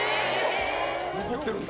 残ってるんだ。